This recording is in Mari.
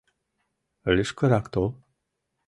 Лишкырак тол.